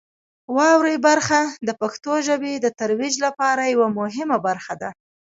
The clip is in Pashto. واورئ برخه د پښتو ژبې د ترویج لپاره یوه مهمه برخه ده.